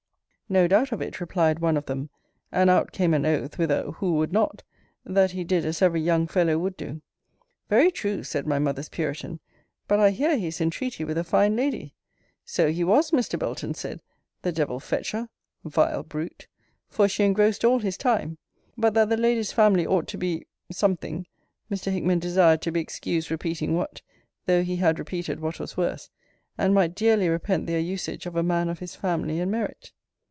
No doubt of it, replied one of them; and out came an oath, with a Who would not? That he did as every young fellow would do. Very true! said my mother's puritan but I hear he is in treaty with a fine lady So he was, Mr. Belton said The devil fetch her! [vile brute!] for she engrossed all his time but that the lady's family ought to be something [Mr. Hickman desired to be excused repeating what though he had repeated what was worse] and might dearly repent their usage of a man of his family and merit.